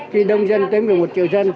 khi đông dân tới một mươi một triệu dân